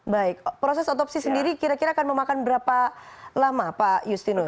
baik proses otopsi sendiri kira kira akan memakan berapa lama pak justinus